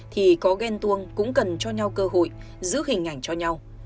thì có ghen tuông cũng cần cho nhau cơ hội giữ hình ảnh cho nhau